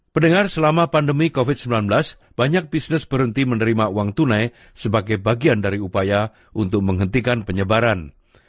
pendengar selama pandemi covid sembilan belas banyak bisnis berhenti menerima uang tunai sebagai bagian dari upaya untuk menghentikan penyebaran